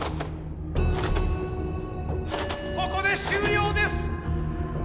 ここで終了です。